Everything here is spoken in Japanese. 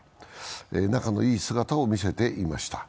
仲のいい姿を見せていました。